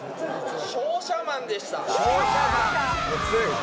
商社マンでした。